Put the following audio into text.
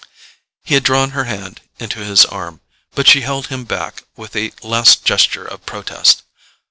He had drawn her hand into his arm, but she held him back with a last gesture of protest.